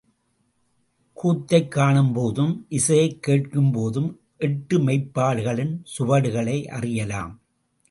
கூத்தைக் காணும்போதும் இசையைக் கேட்கும் போதும் எட்டு மெய்ப்பாடுகளின் சுவடுகளை அறியலாம்.